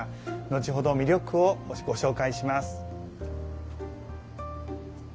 後ほど魅力をご紹介します。